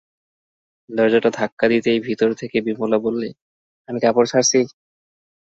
দরজাটা ধাক্কা দিতেই ভিতর থেকে বিমলা বললে, আমি কাপড় ছাড়ছি।